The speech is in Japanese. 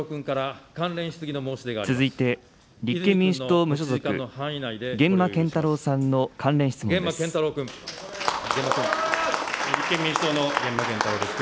続いて立憲民主党・無所属、源馬謙太郎さんの関連質問です。